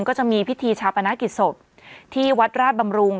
ก็จะมีพิธีชาปนกิจศพที่วัดราชบำรุง